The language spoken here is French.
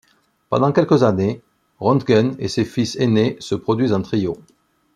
Pendant quelques années, Röntgen et ses fils aînés se produisent en trio.